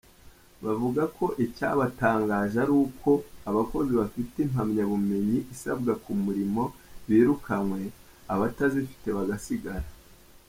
Bavuga ko icyabatangaje ari uko abakozi bafite impamyabumenyi isabwa ku murimo birukanywe, abatazifite bagasigara.